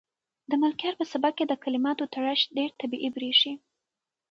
د ملکیار په سبک کې د کلماتو تړښت ډېر طبیعي برېښي.